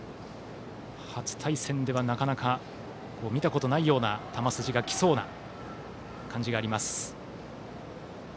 初対戦ではなかなか見たことがないような球筋が来そうな感じがあります。